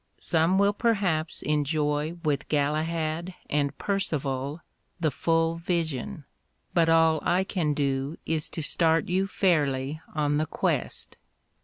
Some will perhaps enjoy with Galahad and Percival the full vision, but all I can do is to start you fairly on the quest.